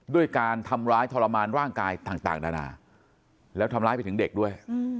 ด้วยการทำร้ายทรมานร่างกายต่างนานาแล้วทำร้ายไปถึงเด็กด้วย